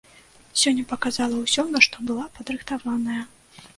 Сёння паказала ўсё, на што была падрыхтаваная.